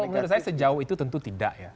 menurut saya sejauh itu tentu tidak ya